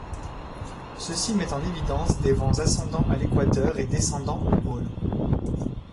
Ceci met en évidence des vents ascendants à l'équateur et descendants aux pôles.